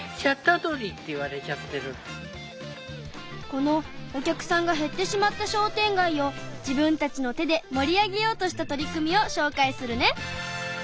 このお客さんが減ってしまった商店街を自分たちの手でもり上げようとした取り組みをしょうかいするね。